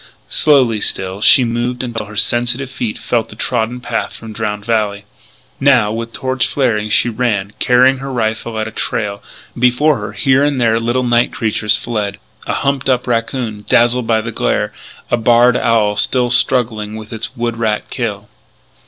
Slowly, still, she moved until her sensitive feet felt the trodden path from Drowned Valley. Now, with torch flaring, she ran, carrying her rifle at a trail. Before her, here and there, little night creatures fled a humped up raccoon, dazzled by the glare, a barred owl still struggling with its wood rat kill.